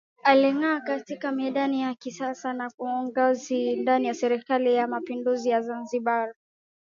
Alingaa katika medani za kisiasa na uongozi ndani ya Serikali ya Mapinduzi ya Zanzibar